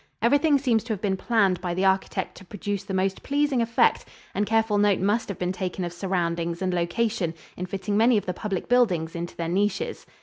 Everything seems to have been planned by the architect to produce the most pleasing effect, and careful note must have been taken of surroundings and location in fitting many of the public buildings into their niches.